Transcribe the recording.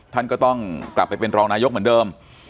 ท่านก็ต้องกลับไปเป็นรองนายกเหมือนเดิม